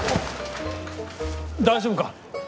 大丈夫か？